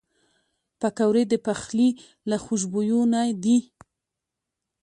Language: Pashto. پکورې د پخلي له خوشبویو نه دي